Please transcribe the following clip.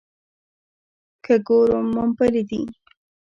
که ګورم مومپلي دي.